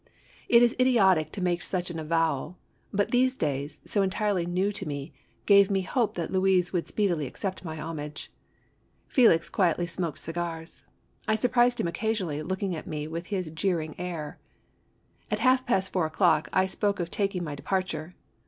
It is idiotic to make such an avowal, but these ways, so entirely new to me, gave me hope that Louise would speedily accept my homage. Fdlix quietly smoked cigars. I surprised him occasionally looking at me with his jeer ing air. At half past four o'clock I spoke of taking my de parture.